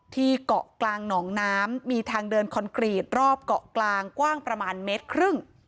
เกาะกลางหนองน้ำมีทางเดินคอนกรีตรอบเกาะกลางกว้างประมาณเมตรครึ่ง